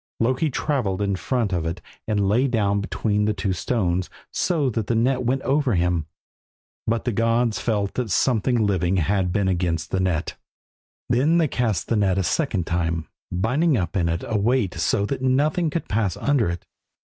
Loki travelled in front of it and lay down between two stones so that the net went over him, but the gods felt that something living had been against the net. Then they cast the net a second time, binding up in it a weight so that nothing could pass under it.